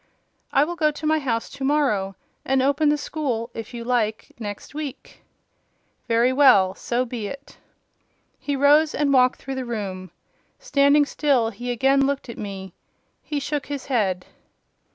"I will go to my house to morrow, and open the school, if you like, next week." "Very well: so be it." He rose and walked through the room. Standing still, he again looked at me. He shook his head.